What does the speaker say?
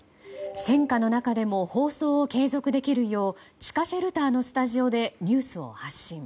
戦火の中でも放送を継続できるよう地下シェルターのスタジオでニュースを発信。